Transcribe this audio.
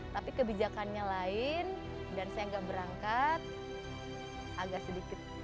tapi kebijakannya lain dan saya nggak berangkat agak sedikit